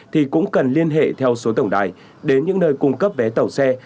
thì cũng cần liên hệ theo số tổng đài đến những nơi cung cấp vé tàu xe